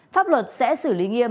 pháp luật sẽ xử lý nghiêm